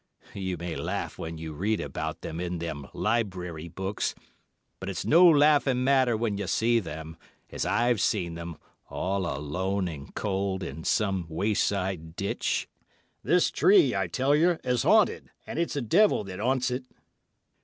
You may laugh when you read about them in them library books, but it's no laughing matter when you see them, as I've seen them, all alone and cold, in some wayside ditch. This tree, I tell yer, is 'aunted—and it's a devil that 'aunts it.